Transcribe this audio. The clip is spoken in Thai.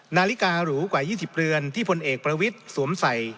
นาฬิการูกว่า๒๐เรือนที่พลเอกประวิทย์สวมใส่